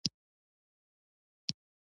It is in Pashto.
جرګه څنګه شخړې حلوي؟